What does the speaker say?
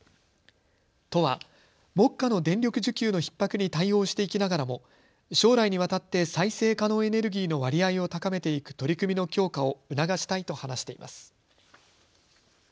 都は目下の電力需給のひっ迫に対応していきながらも将来にわたって再生可能エネルギーの割合を高めていく取り組みの強化を促したいと話しています。